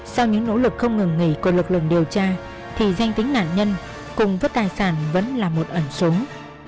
sau những nỗ lực không ngừng nghỉ của lực lượng điều tra thì danh tính nạn nhân cùng với tài sản vẫn là một ẩn súng